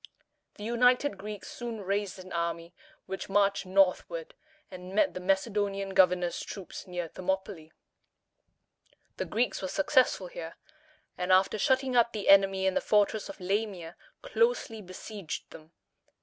The united Greeks soon raised an army, which marched northward, and met the Macedonian governor's troops near Thermopylæ. [Illustration: Phocion.] The Greeks were successful here, and, after shutting up the enemy in the fortress of La´mi a, closely besieged them.